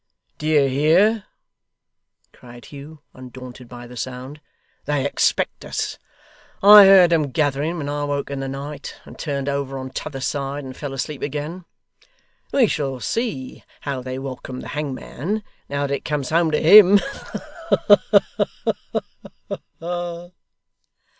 'D'ye hear?' cried Hugh, undaunted by the sound. 'They expect us! I heard them gathering when I woke in the night, and turned over on t'other side and fell asleep again. We shall see how they welcome the hangman, now that it comes home to him. Ha, ha, ha!